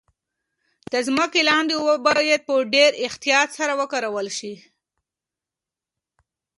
د ځمکې لاندې اوبه باید په ډیر احتیاط سره وکارول شي.